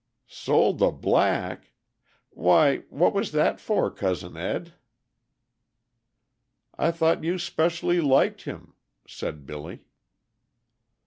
"Sold the black! Why, what was that for, Cousin Ed! I thought you specially liked him?" said Billy.